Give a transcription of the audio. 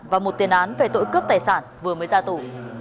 và một tiền án về tội cướp tài sản vừa mới ra tù